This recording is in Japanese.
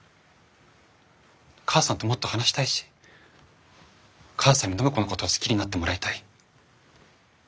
母さんともっと話したいし母さんに暢子のことを好きになってもらいたい。